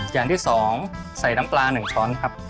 อย่างที่๒ใส่น้ำปลา๑ช้อนครับ